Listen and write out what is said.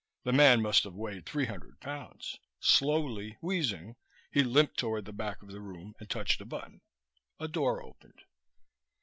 The man must have weighed three hundred pounds. Slowly, wheezing, he limped toward the back of the room and touched a button. A door opened.